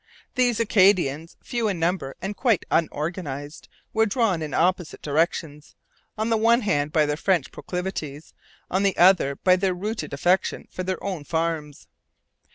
These Acadians, few in numbers and quite unorganized, were drawn in opposite directions, on the one hand by their French proclivities, on the other by their rooted affection for their own farms.